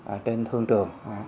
ở trên thương trường